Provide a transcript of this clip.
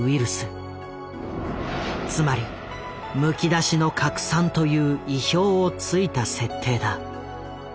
つまり「むきだしの核酸」という意表をついた設定だ。